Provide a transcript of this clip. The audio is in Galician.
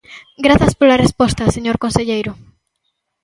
Grazas pola resposta, señor conselleiro.